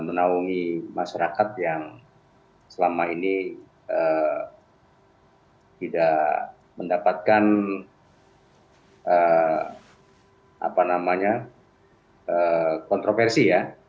menawungi masyarakat yang selama ini tidak mendapatkan kontroversi